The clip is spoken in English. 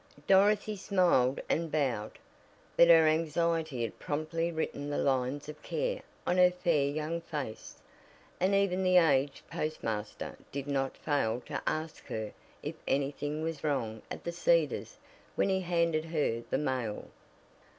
Dorothy smiled and bowed, but her anxiety had promptly written the lines of care on her fair young face, and even the aged postmaster did not fail to ask her if anything was wrong at The Cedars when he handed her the mail.